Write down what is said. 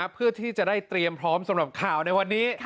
เพื่อที่จะได้เตรียมพร้อมสำหรับข่าวในวันนี้